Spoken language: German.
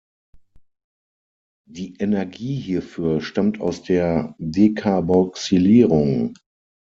Die Energie hierfür stammt aus der Decarboxylierung.